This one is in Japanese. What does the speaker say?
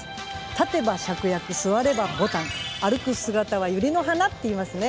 立てばシャクヤク、座ればボタン歩く姿はユリの花と言いますね。